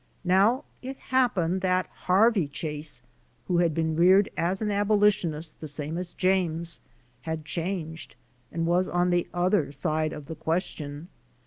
Now it happened that Harvey Chase, who had been reared as an abolitionist the same as James, had changed and was on the other side of the question.